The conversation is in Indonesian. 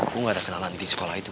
gua gak terkenal anti sekolah itu